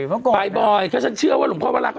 ไปบ่อยเพราะฉันเชื่อว่าหลวงพ่อวัลล่ะ